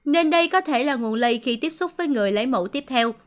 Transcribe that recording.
nên đây có thể là nguồn lây khi tiếp xúc với người lấy mẫu tiếp theo